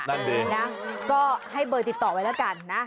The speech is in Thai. นั่นเองนะก็ให้เบอร์ติดต่อไว้แล้วกันนะ